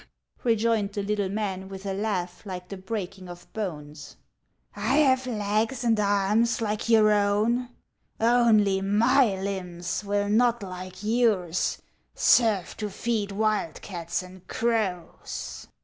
rejoined the little man, with a laugh like the breaking of bones. " I have legs and arms like your own ; only my limbs will not like yours serve to feed wildcats and crows